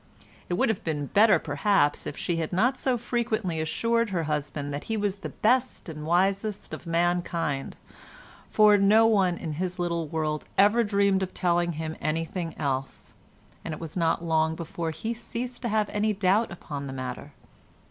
It would have been better perhaps if she had not so frequently assured her husband that he was the best and wisest of mankind, for no one in his little world ever dreamed of telling him anything else, and it was not long before he ceased to have any doubt upon the matter.